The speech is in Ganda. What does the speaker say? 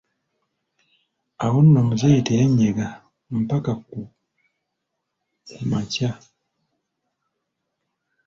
Awo nno muzeeyi teyanyega mpaka ku kumakya.